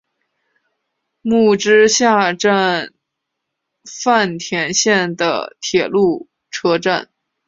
木之下站饭田线的铁路车站。